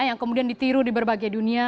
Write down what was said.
yang kemudian ditiru di berbagai dunia